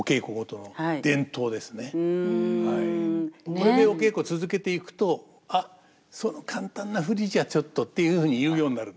これでお稽古続けていくと「あっその簡単な振りじゃちょっと」っていうふうに言うようになるんですよ。